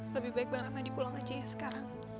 lebih baik bang ramadi pulang aja sekarang